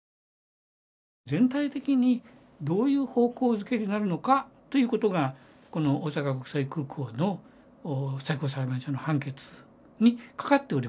全体的にどういう方向付けになるのかということがこの大阪国際空港の最高裁判所の判決に懸かっておりましたからね。